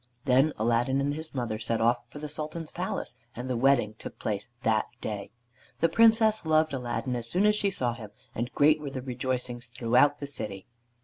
Then Aladdin and his mother set off for the Sultan's palace, and the wedding took place that day. The Princess loved Aladdin as soon as she saw him, and great were the rejoicings throughout the city.